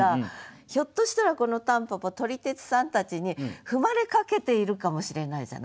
ひょっとしたらこの蒲公英撮り鉄さんたちに踏まれかけているかもしれないじゃない？